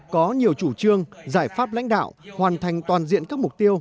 có nhiều chủ trương giải pháp lãnh đạo hoàn thành toàn diện các mục tiêu